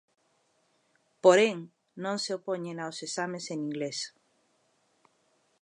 Porén, non se opoñen aos exames en inglés.